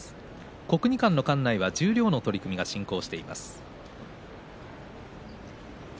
国技館の館内は十両の取組が進行しています。